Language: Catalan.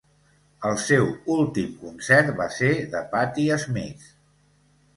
El seu últim concert va ser de Patti Smith.